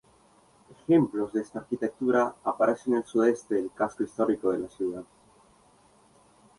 Ejemplos de esta arquitectura aparecen en el sudeste del casco histórico de la ciudad.